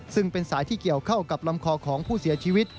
ซึ่งเป็นสายที่เกี่ยวเข้ากับลำคอของผู้เสียชีวิต